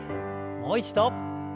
もう一度。